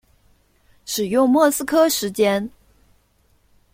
使用莫斯科时间。